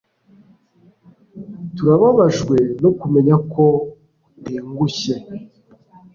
Turababajwe no kumenya ko utengushye